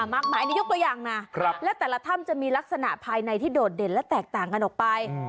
มากมายอันนี้ยกตัวอย่างนะและแต่ละถ้ำจะมีลักษณะภายในที่โดดเด่นและแตกต่างกันออกไป